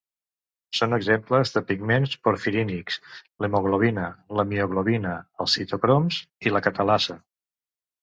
Són exemples de pigments porfirínics l'hemoglobina, la mioglobina, els citocroms i la catalasa.